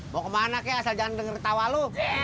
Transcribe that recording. mau ke mana kek asal jangan denger tawa lo